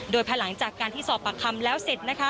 โดยภายหลังจากการที่สอบปากคำแล้วเสร็จนะคะ